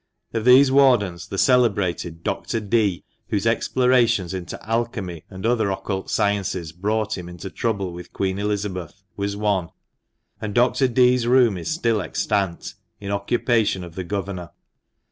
Of these wardens, the celebrated Dr. Dee, whose explorations into alchemy 70 THE MANCHESTER MAN. and other occult sciences brought him into trouble with Queen Elizabeth, was one ; and Dr. Dee's room is still extant — in occupation of the governor.